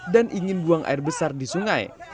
dan ingin buang air besar di sungai